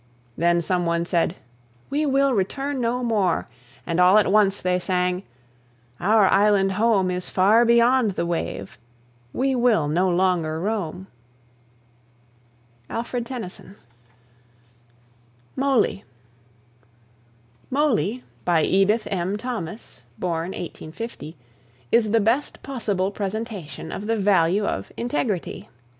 Then some one said, "We will return no more;" And all at once they sang, "Our island home Is far beyond the wave; we will no longer roam." ALFRED TENNYSON. MOLY. "Moly" (mo'ly), by Edith M. Thomas (1850 ), in the best possible presentation of the value of integrity.